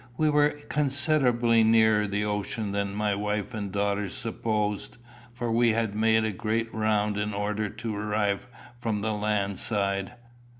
We were considerably nearer the ocean than my wife and daughters supposed, for we had made a great round in order to arrive from the land side.